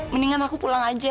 mendingan aku pulang aja